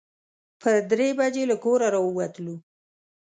پر درې بجې له کوره راووتلو.